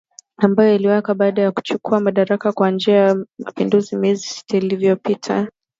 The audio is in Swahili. ambayo iliwekwa baada ya kuchukua madaraka kwa njia ya mapinduzi miezi sita iliyopita